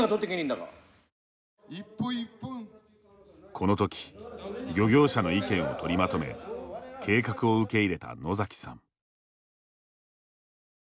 この時漁業者の意見を取りまとめ計画を受け入れた野崎さん。